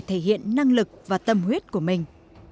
cơ hội để thể hiện năng lực và tâm huyết của mình